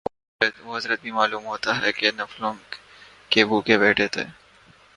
وہ حضرت بھی معلوم ہوتا ہے نفلوں کے بھوکے بیٹھے تھے